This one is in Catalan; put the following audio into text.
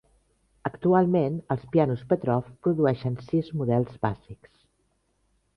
Actualment, els pianos Petrof produeixen sis models bàsics.